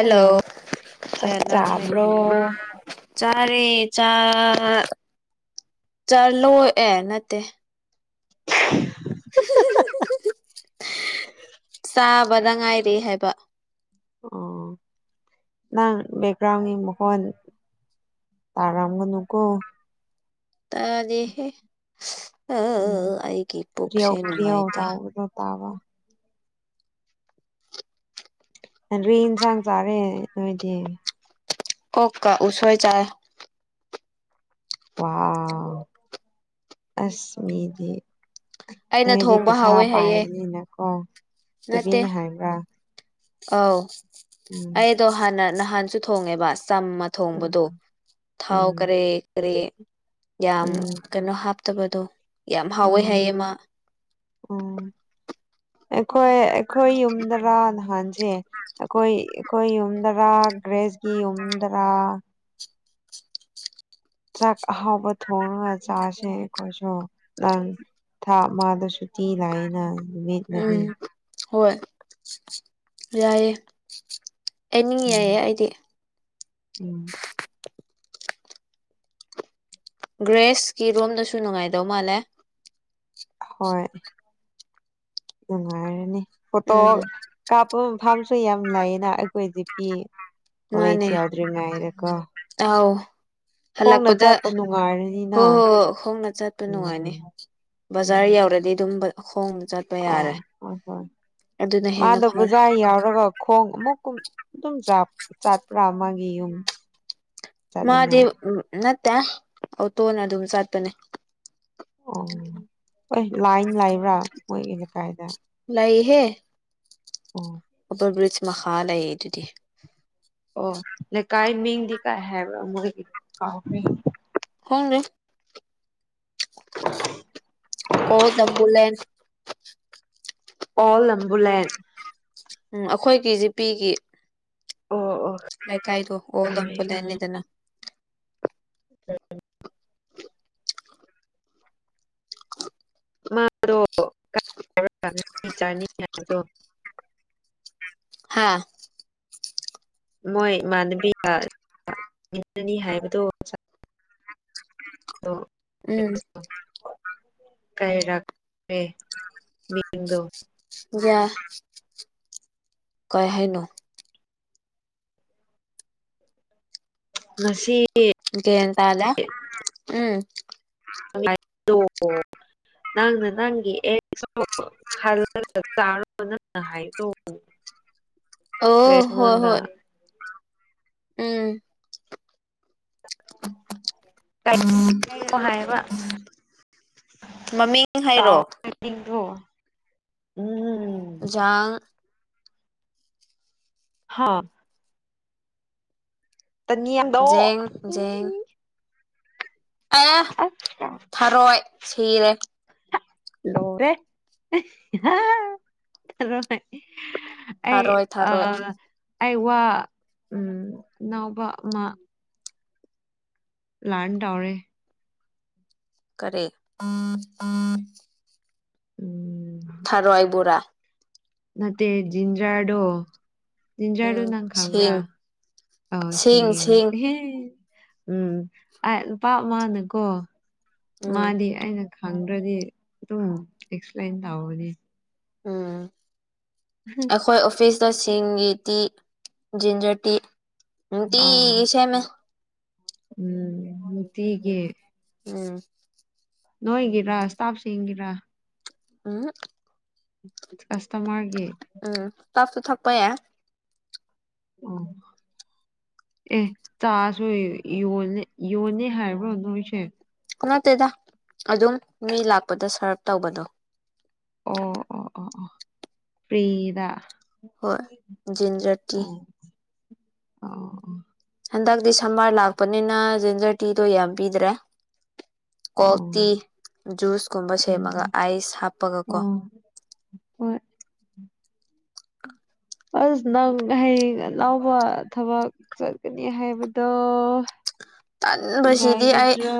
Hello ꯆꯥꯛ ꯆꯥꯕ꯭ꯔꯣ [inaudible] ꯆꯥꯛ ꯑꯔꯦ ꯆꯥ ꯆꯥꯂꯣ ꯑꯦ ꯅꯠꯇꯦ [inaudible] ꯍꯥꯍꯥ ꯆꯥꯕꯗ ꯉꯥꯏꯔꯦ ꯍꯥꯏꯕ ꯑꯣ ꯅꯪ ꯕꯦꯛꯒ꯭ꯔꯥꯎꯟꯒꯤ ꯃꯈꯣꯟ ꯇꯥꯔꯝꯒꯅꯨꯀꯣ ꯇꯥꯗꯦꯍꯦ ꯑ ꯎꯝ ꯑꯩꯒꯤ ꯄꯨꯛꯁꯦ ꯀ꯭ꯔꯤꯌꯧ ꯀ꯭ꯔꯤꯌꯧ ꯅꯨꯡꯉꯥꯏꯇꯦ ꯇꯥꯎꯕꯗꯣ ꯇꯥꯕ [unintelligible] ꯗ꯭ꯔꯤ ꯏꯟꯁꯥꯡ ꯆꯥꯔꯦ ꯅꯣꯏꯗꯤ ꯀꯣꯛ ꯀ ꯎꯁꯣꯏ ꯆꯥꯏ ꯋꯥꯎ ꯑꯁ ꯃꯤꯗꯤ ꯑꯩꯅ ꯅꯣꯏꯗꯤ ꯊꯣꯡꯕ ꯄꯩꯁꯥ ꯍꯥꯎꯋꯦ ꯍꯥꯏꯌꯦ ꯄꯥꯏꯕꯅꯤꯅꯀꯣ ꯅꯠꯇꯦ ꯇꯨꯕꯤꯅ ꯍꯥꯏꯕ꯭ꯔꯥ ꯑꯧ ꯎꯝ ꯑꯩꯗꯣ ꯍꯥꯟꯅ ꯅꯍꯥꯟꯁꯨ ꯊꯣꯡꯉꯦ ꯕꯥ ꯆꯝꯃ ꯎꯝ ꯊꯣꯡꯕꯗꯣ ꯊꯥꯎ ꯎꯝ ꯀꯔꯦ ꯀꯔꯦ ꯌꯥꯝ ꯎꯝ ꯀꯅꯣ ꯍꯥꯞꯇꯕꯗꯣ ꯌꯥꯝ ꯍꯥꯎꯋꯦ ꯍꯥꯏꯌꯦ ꯎꯝ ꯃꯥ ꯎꯝ ꯑꯩꯈꯣꯏ ꯑꯩꯈꯣꯏ ꯌꯨꯝꯗꯔꯥ ꯅꯍꯥꯟꯁꯦ ꯑꯩꯈꯣꯏ ꯑꯩꯈꯣꯏ ꯌꯨꯝꯗꯔꯥ ꯒ꯭ꯔꯦꯁꯒꯤ ꯌꯨꯝꯗꯔꯥ ꯆꯥꯛ ꯑꯍꯥꯎꯕ ꯊꯣꯡꯔꯒ ꯆꯥꯔꯁꯦ ꯑꯩꯈꯣꯏꯁꯨ ꯂꯥꯟ ꯊꯥ ꯑꯃꯥꯗ ꯁꯨꯇꯤ ꯂꯩꯅ ꯅꯨꯃꯤꯠ ꯃꯔꯤ ꯎꯝ ꯍꯣꯏ ꯌꯥꯏꯑꯦ ꯑꯩꯅꯤꯡ ꯌꯥꯏꯌꯦ ꯎꯝ ꯑꯩꯗꯤ ꯎꯝ ꯒ꯭ꯔꯦꯁꯀꯤ ꯔꯣꯝꯗꯁꯨ ꯅꯨꯡꯉꯥꯏꯗꯣꯏ ꯃꯥꯜꯂꯦ ꯍꯣꯏ ꯅꯨꯡꯉꯥꯏꯔꯅꯤ ꯐꯣꯇꯣ ꯎꯝ ꯀꯥꯞ ꯐꯝꯁꯨ ꯌꯥꯝ ꯂꯩꯥꯌꯦꯅ ꯑꯩꯈꯣꯏꯗꯤ ꯄꯤ ꯃꯥꯅꯦ ꯀꯣꯂꯦꯖ ꯌꯧꯗ꯭ꯔꯤꯉꯩꯗꯀꯣ ꯑꯥꯎ ꯍꯜꯂꯛꯄꯗ ꯅꯨꯡꯉꯥꯏꯔꯅꯤꯅ ꯍꯣ ꯍꯣ ꯍꯣꯡꯅ ꯆꯠꯄ ꯅꯨꯡꯉꯥꯏꯅꯤ ꯎꯝ ꯕꯖꯥꯔ ꯌꯧꯔꯗꯤ ꯑꯗꯨꯝ ꯕ ꯈꯣꯡꯅ ꯆꯠꯄ ꯑ ꯌꯥꯔꯦ ꯍꯣꯏ ꯍꯣꯏ ꯑꯗꯨꯅ ꯍꯦꯟꯅ ꯃꯥꯗ ꯐꯔꯦ ꯕꯖꯥꯔ ꯌꯥꯎꯔꯒ ꯈꯣꯡ ꯑꯃꯨꯛ ꯀꯨꯝ ꯑꯗꯨꯝ ꯆꯥꯛ ꯆꯥꯠꯄ꯭ꯔꯥ ꯃꯥꯒꯤ ꯌꯨꯝ ꯃꯥꯗꯤ ꯆꯠꯅꯤꯡꯉꯥꯏ ꯅꯠꯇꯦ ꯑꯣꯇꯣꯅ ꯑꯗꯨꯝ ꯆꯠꯄꯅꯦ ꯑꯣ ꯍꯣꯏ ꯂꯥꯏꯟ ꯂꯥꯏꯕ꯭ꯔꯥ ꯃꯣꯏꯒꯤ ꯂꯩꯀꯥꯏꯗ ꯇꯩꯍꯦ ꯑꯣ ꯑꯣꯕꯔꯕ꯭ꯔꯤꯖ ꯃꯈꯥ ꯂꯩꯌꯦ ꯑꯗꯨꯗꯤ ꯑꯣ ꯂꯩꯀꯥꯏ ꯃꯤꯡꯗꯤ ꯀꯥꯏ ꯍꯥꯏꯕ꯭ꯔ ꯃꯣꯏꯒꯤ ꯀꯥꯎꯈ꯭ꯔꯦ ꯑꯪꯗꯦ ꯑꯣꯜ ꯂꯝꯕꯨꯂꯦꯟ ꯑꯣꯜ ꯂꯝꯕꯨꯂꯦꯟ꯫ ꯎꯝ ꯑꯈꯣꯏꯒꯤ ꯖꯤꯄꯤꯒꯤ ꯑꯣ ꯑꯣ ꯂꯩꯀꯥꯏꯗꯣ ꯑꯣꯜ ꯈꯪꯉꯦ ꯂꯝꯕꯨꯂꯦꯟꯅꯤꯗꯅ ꯎꯝ ꯃꯥꯗꯣ ꯀꯥꯏ ꯆꯅꯤ ꯍꯥꯏꯕꯗꯣ ꯑ ꯃꯣꯏ ꯏꯃꯥꯟꯅꯕꯤꯒ ꯏꯟꯅꯅꯤ ꯍꯥꯏꯕꯗꯨ ꯎꯝ ꯀꯩꯔꯛ [unintelligible] ꯌꯥꯏ ꯀꯩ ꯍꯥꯏꯅꯣ? ꯉꯁꯤ ꯒ꯭ꯌꯥꯟ ꯇꯥꯗꯦ ꯎꯝ [unintelligible] ꯅꯪꯅ ꯅꯪꯒꯤ ꯑꯦꯛꯁ ꯈꯜꯂꯒ ꯆꯥꯔꯣ ꯅꯪꯅ ꯍꯥꯏꯗꯣ ꯑꯣ ꯍꯣꯏ ꯔꯦꯁꯃꯣꯟꯗ ꯍꯣꯏ ꯎꯝ [inaudible] ꯍꯥꯏꯔꯣ ꯍꯥꯏꯕ ꯃꯃꯤꯡ ꯍꯥꯏꯔꯣ ꯇꯥꯎ-ꯗꯤꯡꯗꯣ꯫ ꯎꯝ-ꯎꯝ ꯖꯥꯡ ꯍꯥꯥ ꯇꯅꯤꯌꯥꯗꯣ ꯖꯦꯡ ꯖꯦꯡ ꯑꯦ ꯊꯔꯣꯏ ꯁꯤꯔꯦ꯫ ꯂꯧꯔꯦ ꯊꯔꯣꯏ ꯑꯩ ꯊꯔꯣꯏ ꯑ ꯊꯔꯣꯏ ꯑꯩ ꯋꯥ ꯎꯝ ꯅꯥꯎꯕ ꯑꯃ ꯂꯥꯟ ꯇꯧꯔꯦ꯫ ꯀꯔꯤ ꯎꯝ ꯊꯔꯣꯏ ꯕꯣꯔꯥ꯫ ꯅꯠꯇꯦ ꯖꯤꯟꯖ꯭ꯔꯗꯣ ꯖꯤꯟꯖ꯭ꯔꯗꯨ ꯎꯝ ꯅꯪ ꯁꯤꯡ ꯈꯪꯕ꯭ꯔꯥ ꯑꯣ ꯁꯤ ꯁꯤꯡ ꯏꯪ꯫ ꯁꯤꯡ ꯎꯝ ꯑꯥꯏ ꯅꯨꯄꯥ ꯑꯃꯥꯅꯀꯣ ꯎꯝ ꯃꯥꯗꯤ ꯑꯩꯅ ꯈꯪꯗ꯭ꯔꯗꯤ ꯑꯗꯨꯝ ꯑꯦꯛꯁꯄ꯭ꯂꯦꯟ ꯇꯧꯕꯅꯤ꯫ ꯎꯝ ꯑꯩꯈꯣꯏ ꯑꯣꯐꯤꯁ ꯇꯁꯤꯡꯒꯤꯗꯤ ꯖꯤꯟꯖꯔ ꯇꯤ ꯑ ꯅꯨꯡꯇꯤꯒꯤ ꯁꯦꯝꯃꯦ꯫ ꯎꯝ ꯅꯨꯡꯇꯤꯒꯤ꯫ ꯎꯝ ꯅꯣꯏꯒꯤꯔꯥ ꯁ꯭ꯇꯥꯞꯁꯤꯡꯒꯤꯔꯥ? ꯎꯝꯍꯨꯡ ꯀꯁꯇꯃꯔꯒꯤ꯫ ꯁ꯭ꯇꯥꯞꯁꯨ ꯊꯛꯄ ꯌꯥꯏ꯫ ꯎꯝ ꯑꯦ ꯆꯥꯁꯨ ꯌꯣꯟꯅꯤ-ꯌꯣꯟꯅꯤ ꯍꯥꯏꯕ꯭ꯔꯣ ꯅꯣꯏꯁꯦ꯫ ꯅꯠꯇꯦꯗ ꯑꯗꯨꯝ ꯃꯤ ꯂꯥꯛꯄꯗ ꯁ꯭ꯔꯞ ꯇꯧꯕꯗꯣ꯫ ꯑꯣ ꯑꯣ ꯑꯣ ꯑꯣ ꯐ꯭ꯔꯤꯗ꯫ ꯍꯣꯏ ꯖꯤꯟꯖꯔ ꯇꯤ꯫ ꯑꯣ ꯑꯣ ꯍꯟꯗꯛꯇꯤ ꯁꯝꯃꯔ ꯂꯥꯛꯄꯅꯤꯅ ꯖꯟꯖꯔ ꯇꯤꯗꯣ ꯌꯥꯝ ꯄꯤꯗ꯭ꯔꯦ ꯀꯣꯜ ꯑꯣ ꯇꯤ ꯖꯨꯁꯀꯨꯝꯕ ꯁꯦꯝꯃꯒ ꯑꯥꯏꯁ ꯍꯥꯞꯄꯒ ꯀꯣ ꯍ [unintelligible] [inaudible] ꯑꯁ ꯅꯪ ꯍꯌꯦꯡ ꯑꯅꯥꯥꯎꯕ ꯊꯕꯛ ꯆꯠꯀꯅꯤ ꯍꯥꯏꯕꯗꯣ ꯇꯟꯕꯁꯤꯗꯤ ꯑꯩ ꯥꯏꯒꯗ꯭ꯔ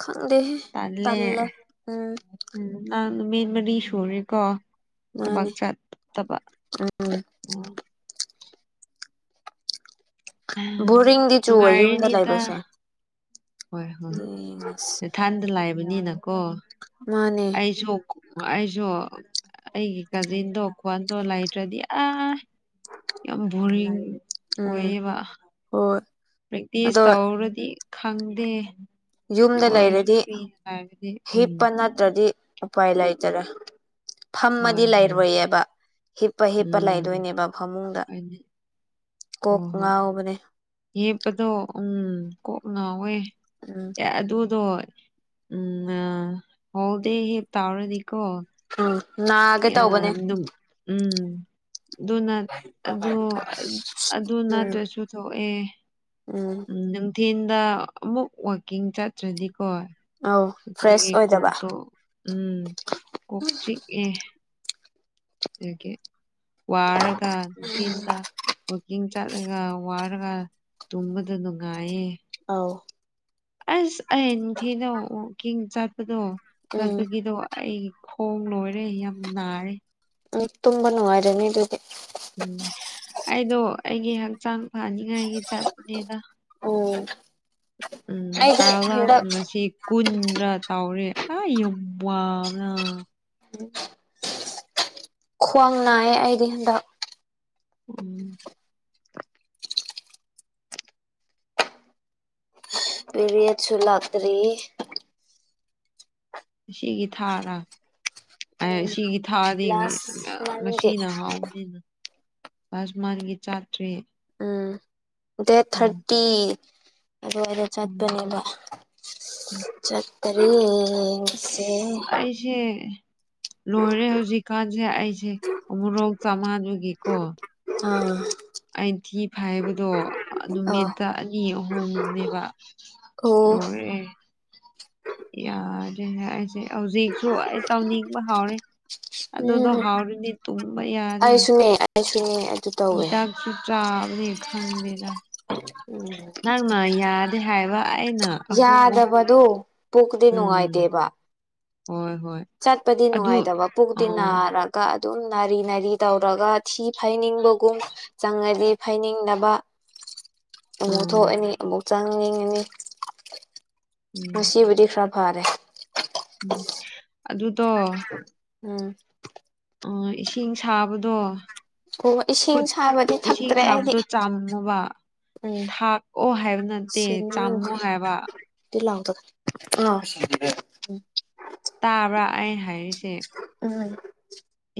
ꯈꯪꯗꯦꯍꯦ ꯇꯜꯂꯦ ꯎꯝ ꯅꯪ ꯃꯦꯟ ꯃꯗꯤ ꯁꯨꯔꯦꯀꯣ ꯊꯕꯥꯛ ꯃꯥꯅꯦ ꯆꯠꯇꯕ ꯎ ꯕꯣꯔꯤꯡꯗꯤ ꯆꯨꯋꯦ ꯌꯨꯝꯗ ꯅꯨꯡꯉꯥꯏꯔꯤꯅꯤꯗ ꯂꯩꯕꯁꯦ ꯍꯣꯏ ꯍꯣꯏ ꯌꯦꯡꯉꯁꯤ ꯅ ꯊꯥꯟꯗ ꯂꯥꯏꯕꯅꯤꯅꯀꯣ ꯃꯥꯅꯦ ꯑꯩꯁꯨ ꯑꯩꯁꯨ ꯑꯩꯒꯤ ꯀꯥꯖꯤꯟꯗꯣ ꯈꯣꯟꯗꯣ ꯂꯩꯇ꯭ꯔꯗꯤ ꯑ ꯌꯥꯝ ꯕꯣꯔꯤꯡ ꯎꯝ ꯑꯣꯏꯌꯦꯕ ꯍꯣꯏ ꯄ꯭ꯔꯦꯛꯇꯤꯁ ꯑꯗꯣ ꯇꯧꯔꯗꯤ ꯈꯪꯗꯦ ꯑꯗꯨ ꯌꯨꯝꯗ ꯑꯣꯏꯔꯁꯨ ꯂꯩꯔꯗꯤ ꯐ꯭ꯔꯤꯅ ꯂꯥꯏꯕꯗꯤ ꯎꯝ ꯍꯤꯞꯄ ꯅꯠꯇ꯭ꯔꯗꯤ ꯑꯄꯥꯥꯏꯂ ꯍꯥꯏꯇꯔ ꯐꯝꯃꯗꯤ ꯍꯣꯏ ꯍꯣꯏ ꯂꯩꯔꯣꯏꯌꯦꯕ ꯍꯤꯞꯄ ꯍꯤꯞꯄ ꯎꯝ ꯂꯩꯗꯣꯏꯅꯦꯕ ꯐꯃꯨꯡꯗ ꯍꯥꯏꯗꯤ ꯀꯣꯛ ꯍꯣꯏ ꯍꯣꯏ ꯉꯥꯎꯕꯅꯦ ꯌꯦꯦꯞꯄꯗꯣ ꯎꯝ ꯀꯣꯛ ꯉꯥꯎꯋꯦ ꯎꯝ ꯑ ꯑꯗꯨꯗꯣ ꯎꯝ ꯑ ꯍꯗ ꯍꯦ ꯇꯥꯔꯔꯗꯤꯀꯣ ꯎꯝ ꯅꯥꯒꯦ ꯑ ꯇꯧꯕꯅꯦ ꯑꯗꯨ ꯎꯝ ꯑꯗꯨ ꯑꯗꯨ ꯑꯗꯨ ꯎꯝ ꯅꯠꯇ꯭ꯔꯁꯨ ꯊꯣꯛꯑꯦ ꯎꯝ ꯅꯨꯡꯊꯤꯟꯗ ꯑꯃꯨꯛ ꯋꯥꯋꯥꯛꯀꯤꯡ ꯆꯠꯇ꯭ꯔꯗꯤꯀꯣ ꯑꯧ ꯐ꯭ꯔꯦꯁ ꯑꯩꯈꯣꯏꯒꯤ ꯑꯣꯏꯗꯕ ꯀꯣꯛꯗ ꯎꯝ ꯀꯣꯛ ꯆꯤ ꯑꯦ ꯦ ꯋꯥꯔꯒ ꯅꯨꯡꯊꯤꯟꯗ ꯋꯥꯀꯤꯡ ꯆꯠꯂꯒ ꯋꯥꯔꯒ ꯇꯨꯝꯕꯗ ꯅꯨꯡꯉꯥꯏꯌꯦ ꯑꯥꯎ ꯑꯁ ꯑꯩ ꯅꯤꯡꯊꯤꯗ ꯎꯀꯤꯡ ꯆꯠꯄꯗꯣ ꯎꯝ ꯆꯠꯄꯒꯤꯗꯣ ꯑꯩ ꯍꯣꯡ ꯂꯣꯏꯔꯦ ꯌꯥꯝ ꯅꯥꯔꯦ ꯇꯨꯝꯕ ꯅꯨꯡꯉꯥꯏꯔꯅꯤ ꯑꯗꯨꯗꯤ ꯎꯝ ꯑꯩꯗꯣ ꯑꯩꯒꯤ ꯍꯛꯆꯥꯡ ꯐꯅꯤꯉꯥꯏꯒꯤ ꯆꯠꯄꯅꯦꯗ ꯎꯝ ꯎꯝ ꯑꯩꯗꯤ ꯀꯥꯔꯂꯥ ꯍꯟꯗꯛ ꯉꯁꯤ ꯀꯨꯟꯗ ꯇꯥꯎꯔꯦ ꯑ ꯋꯥꯅꯥ ꯎꯝ [inaudible] ꯈ꯭ꯋꯥꯡ ꯅꯥꯌꯦ ꯑꯩꯗꯤ ꯍꯟꯗꯛ ꯎꯝ [inaudible] ꯄꯤꯕꯤ ꯑꯁꯨ ꯂꯇ꯭ꯔꯤ ꯑꯁꯤꯒꯤ ꯊꯥꯔ ꯎꯝ ꯁꯤꯒꯤ ꯊꯥꯗꯤ ꯂꯥꯁ ꯃꯟꯒꯤ ꯃꯁꯤꯅ ꯍꯥꯎꯅꯤꯅ ꯑꯖꯃꯥꯟꯒꯤ ꯆꯥꯇ꯭ꯔꯤ ꯎꯝ ꯗꯦꯠ ꯊꯥꯔꯇꯤ ꯑꯗꯨꯋꯥꯏꯗ ꯎꯝ ꯆꯠꯄꯅꯦꯕ ꯎꯝ ꯆꯀꯔꯤꯁ ꯑꯁ ꯑꯩꯁꯦ ꯂꯣꯏꯔꯦ ꯍꯧꯖꯤꯛꯀꯥꯟꯁꯦ ꯑꯩꯁꯦ ꯑꯃꯨꯔꯣꯛ ꯆꯥꯃꯥꯥꯟꯕꯒꯤꯀꯣ ꯑꯥ ꯍꯥꯏꯥꯏꯕꯗꯣ ꯑꯥ ꯅꯨꯃꯤꯠꯇ ꯑꯅꯤ ꯑꯍꯨꯝꯅꯦꯕ ꯑꯣ ꯂꯣꯏꯔꯦ ꯌꯥꯔꯦ ꯑꯩꯁꯦ ꯍꯧꯖꯤꯛꯁꯨ ꯑꯩ ꯇꯧꯅꯤꯡꯕ ꯍꯥꯎꯔꯦ ꯑꯗꯨꯗ ꯎꯝ ꯑꯗꯨꯣ ꯍꯥꯎꯔꯤꯗꯤ ꯇꯨꯝꯕ ꯌꯥꯔꯦ ꯑꯁꯤꯅꯤ ꯏ ꯗꯥꯛꯁꯨ ꯆꯞꯔꯦ ꯈꯥꯟꯕꯔꯥ ꯎꯝ ꯑꯩꯅ [inaudible] ꯑꯍꯨꯝ ꯑꯍꯨꯝ ꯌꯥꯗꯕꯗꯨꯣ ꯄꯨꯈꯗꯤ ꯎꯝ ꯅꯨꯡꯉꯥꯏꯇꯦꯕ ꯍꯣꯏ ꯍꯣꯏ ꯆꯠꯄꯗꯤ ꯑꯗꯨ ꯅꯅꯨꯡꯥꯏꯇꯕ ꯄꯨꯒ ꯑ ꯇ ꯅ ꯑꯔꯒ ꯑꯗꯨꯝ ꯅꯥꯔꯤ ꯅꯥꯔꯤ ꯇꯧꯔꯒ ꯊꯤ ꯐꯩꯅꯤꯡꯕꯒꯨꯝ ꯆꯪꯉꯗꯤ ꯐꯩꯅꯤꯡꯗꯅꯕ [unintelligible] ꯑꯃꯨꯛ ꯎꯝ ꯊꯣꯛꯑꯅꯤ ꯑꯃꯨꯛ ꯆꯪ ꯌꯦꯡꯉꯅꯤ ꯉꯁꯤꯕꯨꯗꯤ ꯈꯔ ꯐꯔꯦ ꯎꯝ ꯑꯗꯨꯇꯣ ꯎꯝ ꯑꯣ ꯏꯁꯤꯡ ꯁꯥꯕꯗꯣ ꯑꯣ ꯏꯁꯤꯡ ꯈꯨꯠ ꯁꯥꯕꯗꯤ ꯏꯁꯤꯡ ꯊꯛꯇ꯭ꯔꯦ ꯑꯩꯗꯤ ꯁꯥꯕꯗꯣ ꯆꯥꯝꯃꯣꯕ ꯎꯝ ꯊꯥꯛꯑꯣ ꯍꯥꯏꯕ ꯅꯠꯇꯦ ꯁꯤ ꯆꯥꯝꯃꯣ ꯍꯥꯏꯕ ꯂꯥꯎꯗ ꯑ ꯇꯥꯕ꯭ꯔꯥ ꯑꯩꯅ ꯍꯥꯏꯔꯤꯁꯦ ꯎꯝ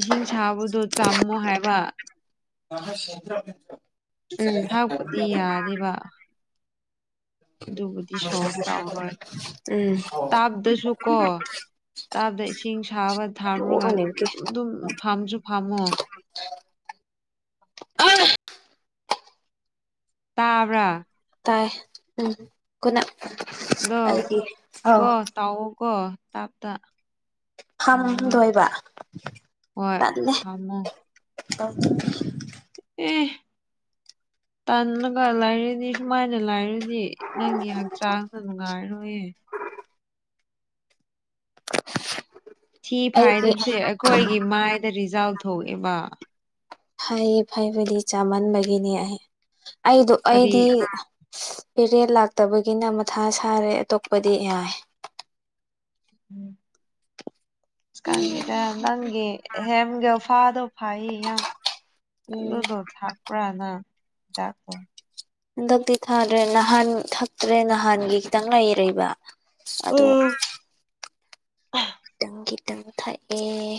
ꯏꯁꯤꯡ ꯁꯥꯕꯗꯣ ꯆꯥꯝꯃꯣ ꯍꯥꯏꯕ ꯊꯥꯛꯄꯨꯗꯤ ꯌꯥꯅꯦꯕ ꯎꯝ ꯑꯗꯨꯕꯨꯗꯤ ꯁꯣꯜꯐ ꯇꯧꯔꯣꯏ ꯎꯝ ꯇꯥꯞꯗꯁꯨ ꯀꯣ ꯇꯥꯕꯗ ꯏꯁꯤꯡ ꯁꯥꯕ ꯊꯥꯝꯔꯨꯔꯒ ꯇꯣꯛꯑꯅꯤꯒꯤ ꯑꯗꯨꯝ ꯐꯝꯁꯨ ꯐꯝꯃꯣ ꯑ ꯇꯥꯕ꯭ꯔꯥ ꯇꯥꯏ ꯎꯝ ꯈꯨꯅꯥ ꯗꯣ ꯀꯣ ꯇꯎ ꯀꯣ ꯇꯥꯞ ꯇꯥ ꯐꯝꯗꯣꯏꯕ ꯍꯣꯏ ꯇꯥꯅꯦ ꯊꯝꯃꯣ ꯑꯣ ꯑꯦ ꯇꯟꯅ ꯀꯂꯥꯏꯔꯅꯤ ꯁꯨꯃꯥꯏꯅ ꯂꯥꯏꯔ ꯗꯤ ꯅꯪꯒꯤ ꯍꯛꯆꯥꯡꯁꯨ ꯅꯨꯡꯉꯥꯏꯔꯣꯏꯌꯦ ꯁꯤ ꯑꯩꯒꯤ ꯐꯥꯏꯗꯕꯁꯦ ꯑꯩꯈꯣꯏꯒꯤ ꯃꯥꯏꯗ ꯔꯤꯖꯥꯜ ꯊꯣꯛꯑꯦꯕ ꯍꯥꯏꯥꯏꯌꯦ ꯐꯥꯏ ꯆꯥꯃꯟꯕꯒꯤꯅꯦ ꯑꯩ ꯑꯩꯗꯣ ꯀꯔꯤ ꯑꯩꯗꯤ ꯄꯦꯔꯦ ꯂꯥꯛꯇꯕꯒꯤꯅ ꯃꯊꯥ ꯁꯥꯔꯦ ꯑꯇꯣꯞꯄꯗꯤ ꯌꯥꯏ ꯎ ꯀꯪꯗ ꯅꯪꯒꯤ ꯍꯦꯝꯒ ꯐꯥꯗ ꯐꯩꯌꯦ ꯌꯥꯝ ꯎꯝ ꯑꯗꯨꯗꯣ ꯊꯥꯛꯄ꯭ꯔꯥꯅ ꯍꯤꯗꯥꯛꯄꯣ ꯍꯟꯗꯛꯇꯤ ꯊꯥꯗ꯭ꯔꯦ ꯅꯍꯥꯟ ꯊꯛꯇ꯭ꯔꯦ ꯅꯍꯥꯟꯒꯤ ꯈꯤꯇꯪ ꯂꯩꯔꯕ ꯑꯗꯣ ꯍ ꯇꯪꯒꯤ ꯇꯪ ꯊꯥꯏ ꯑꯦ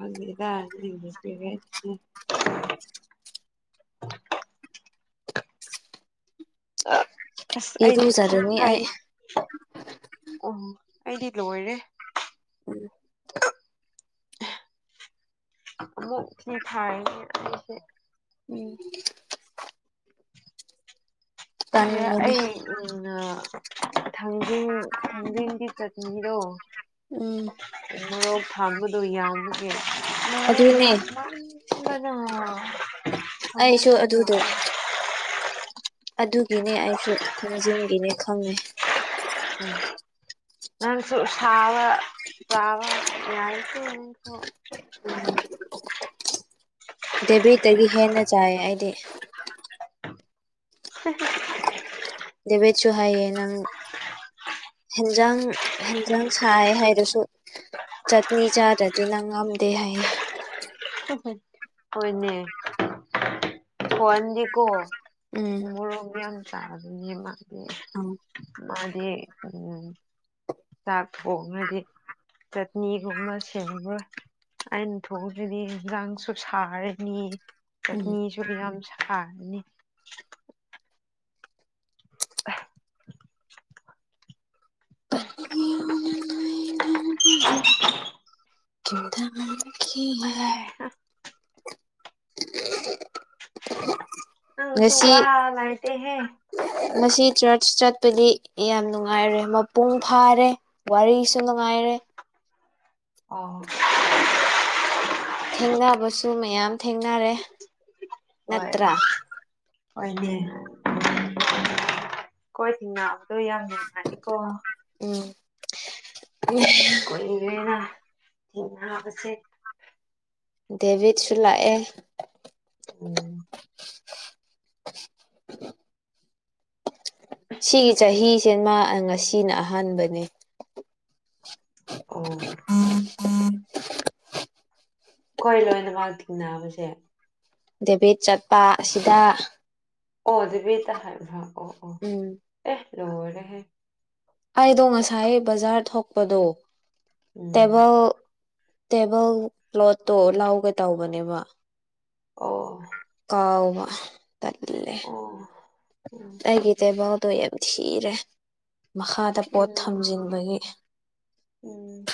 ꯑꯣ ꯗ [unintelligible] ꯑꯁ ꯑꯩꯗꯤ ꯊ ꯏꯔꯨꯖꯔꯅꯤ ꯑꯩ ꯍꯥꯏꯅꯤ ꯑꯣ ꯑꯩꯗꯤ ꯂꯣꯏꯔꯦ ꯎꯝ ꯃꯨꯛ ꯊꯥꯏꯁꯦ ꯎꯝ ꯇꯟꯕꯅꯦ ꯑꯩ ꯊꯥꯡꯖꯤꯡ ꯊꯥꯡꯖꯤꯡꯗꯤ ꯆ ꯃꯤꯗꯣ ꯎꯝ ꯃꯣꯔꯣꯛ ꯊꯝꯕꯗꯨꯣ ꯌꯥꯝꯕꯒꯦ ꯑꯗꯨꯅꯦ ꯑ ꯁꯃꯝꯅ ꯑꯩꯁꯨ ꯐꯃꯦꯟꯕꯅ ꯑꯗꯨꯗ ꯑꯗꯨꯒꯤꯅꯦ ꯑꯩꯁꯨ ꯊꯥꯡꯖꯤꯡꯒꯤꯅꯦ ꯈꯪꯉꯦ ꯎꯝ ꯅꯁꯨ ꯁꯕ ꯁꯕ ꯌꯥꯁꯨ ꯎꯝ [inaudible] ꯗꯦꯕꯤꯠꯇꯒꯤ ꯍꯦꯟꯅ ꯆꯥꯏ ꯑꯩꯗꯤ [inaudible] ꯗꯕꯦ ꯆꯨ ꯍꯥꯏ ꯅꯪ ꯍ [unintelligible] ꯍꯦꯟꯖꯥꯡ ꯍꯦꯟꯖꯥꯡ ꯁꯥꯏ ꯍꯥꯏꯗꯨꯁꯨ ꯆꯠꯅꯤ ꯆꯥꯗ꯭ꯔꯗꯤꯅ ꯉꯝꯗꯦ ꯍꯥꯏꯌꯦ ꯍꯣꯏꯅꯦ ꯐꯣꯟ ꯌꯦꯀꯣ ꯎꯝ ꯃꯣꯔ ꯌꯥꯝꯝ ꯆꯥ ꯑꯗꯨ ꯃꯥ ꯑ ꯃꯥꯗꯤ ꯎꯝ ꯆꯥꯛ ꯊꯣꯡꯉꯗꯤ ꯆꯠꯅꯤꯒꯨꯝꯕ ꯁꯦꯝꯕ꯭ꯔꯥ ꯑꯩꯅ ꯊꯣꯛꯑꯁꯤꯗꯤ ꯁꯨ ꯁꯔꯅꯤꯠꯅꯤꯁꯨꯕꯤ ꯌꯥꯝꯝ ꯁ ꯅꯤ [unintelligible] ꯑꯂꯑ [inaudible] ꯅꯪꯁꯨ ꯉꯁꯤ ꯋꯥ ꯂꯩꯇꯦꯍꯦ ꯉꯁꯤ ꯆꯔꯆ ꯆꯠ ꯄꯗꯤ ꯌꯥꯝ ꯅꯨꯡꯉꯥꯏꯔꯦ ꯃꯄꯨꯡ ꯐꯥꯔꯦ ꯋꯥꯔꯤꯁꯨ ꯅꯨꯡꯉꯥꯏꯔꯦ ꯑ [inaudible] ꯊꯦꯡꯅꯕꯁꯨ ꯃꯌꯥꯝ ꯊꯦꯡꯅꯔꯦ ꯅꯠꯇ꯭ꯔꯥ ꯑꯣꯏꯅꯦ [inaudible] ꯍꯣꯏ ꯇꯤꯅꯥꯕꯗꯣ ꯌꯥꯝ ꯅꯨꯡꯉꯅꯤꯀꯣ ꯎ [inaudible] ꯀꯨꯏꯔꯦꯅ ꯊꯅꯕꯁꯦ ꯗꯦꯚꯤꯠꯁꯨꯂꯥꯛ ꯑꯦ ꯎꯝ [inaudible] ꯁꯤꯒꯤ ꯆꯍꯤꯁꯦꯃ ꯉꯁꯤꯅ ꯑꯍꯥꯟꯕꯅꯤ ꯑꯣ ꯎꯝ ꯈꯣꯏ ꯂꯣꯏꯅ ꯃꯥ ꯊꯤꯡꯅꯕꯁꯦ ꯗꯦꯕꯤꯠ ꯆꯠꯄ ꯑꯁꯤꯗ ꯑꯣ ꯑꯗꯨꯕꯤ ꯇ ꯍꯥꯏ ꯎꯝ ꯔꯣꯔꯦ ꯑꯩꯗꯣ ꯉꯁꯥꯏ ꯕꯖꯥꯔ ꯊꯣꯛꯄꯗꯣ ꯎꯝ ꯇꯦꯕꯜ ꯇꯦꯕꯜ ꯀ꯭ꯂꯣꯠꯇꯣ ꯂꯥꯎꯒꯦ ꯇꯧꯕꯅꯦꯕ ꯑꯣ ꯍꯥꯎ ꯇꯦ ꯑꯣ ꯎꯝ ꯑꯩꯒꯤꯆ ꯑꯠꯇꯣ ꯌꯥꯝ ꯊꯤꯔꯦ ꯃꯈꯥꯗ ꯄꯣꯠ ꯎꯝ ꯊꯝꯖꯤꯟꯕꯒꯤ ꯎꯝ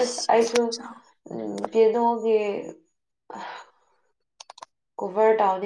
ꯑꯁ ꯑꯁꯨ ꯎꯝ ꯀꯩꯅꯣꯒꯤ ꯀꯣꯕꯔ ꯇꯥꯎꯟ